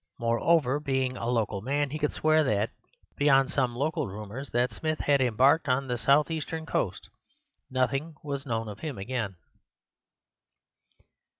Moreover, being a local man, he could swear that, beyond some local rumours that Smith had embarked on the south eastern coast, nothing was known of him again.